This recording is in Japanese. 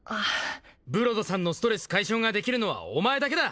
ブロドさんのストレス解消ができるのはお前だけだ